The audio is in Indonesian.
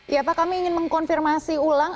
ya pak kami ingin mengkonfirmasi ulang